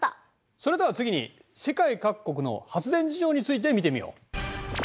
それでは次に世界各国の発電事情について見てみよう。